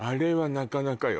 なかなかよ